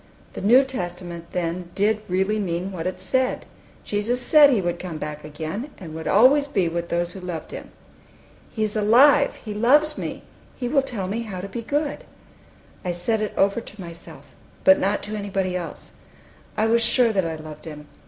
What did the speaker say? The New Testament, then, did really mean what it said! Jesus said He would come back again, and would always be with those who loved Him. "He is alive! He loves me! He will tell me how to be good!" I said it over to myself, but not to anybody else. I was sure that I loved Him.